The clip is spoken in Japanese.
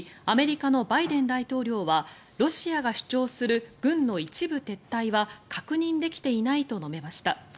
アメリカのバイデン大統領はロシアが主張する軍の一部撤退は確認できていないと述べました。